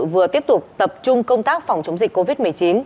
vừa tiếp tục tập trung công tác phòng chống dịch covid một mươi chín